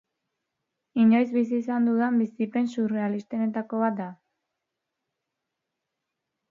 Inoiz bizi izan dudan bizipen surrealistenetako bat da.